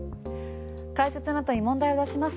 解説のあとに問題を出します。